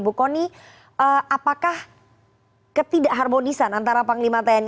bu kony apakah ketidakharmonisan antara panglima tni